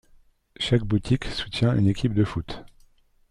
Chaque boutique soutient une équipe de foot.